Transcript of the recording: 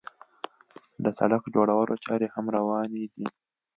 د سړک جوړولو چارې هم روانې دي.